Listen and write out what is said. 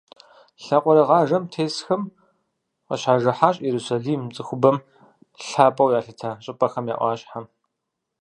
Лъакъуэрыгъажэм тесхэм къыщажыхьащ Иерусалим - цӏыхубэм лъапӏэу ялъытэ щӏыпӏэхэм я ӏуащхьэм.